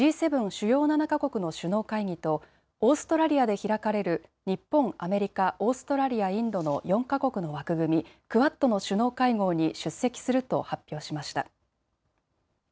主要７か国の首脳会議とオーストラリアで開かれる日本、アメリカ、オーストラリア、インドの４か国の枠組み・クアッドの首脳会合に出席すると発表しました。